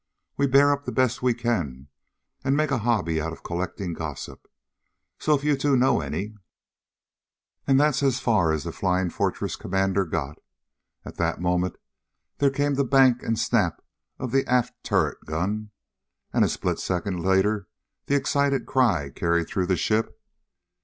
So we bear up the best we can, and make a hobby of collecting gossip. So if you two know any " And that's as far as the Flying Fortress commander got. At that moment there came the bank and snap of the aft turret guns. And a split second later the excited cry carried through the ship.